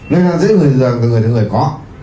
lên là dễ dàng từ người sang người có